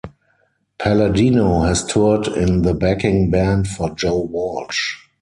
Palladino has toured in the backing band for Joe Walsh.